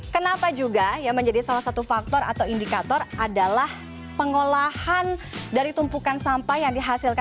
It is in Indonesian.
kenapa juga yang menjadi salah satu faktor atau indikator adalah pengolahan dari tumpukan sampah yang dihasilkan